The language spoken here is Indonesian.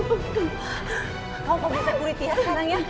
kau mau bisa puritia sekarang ya